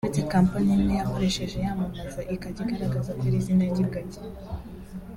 Uretse Kompanyi imwe yarikoresheje yamamaza ikajya igaragaza ko ari izina ry’ingagi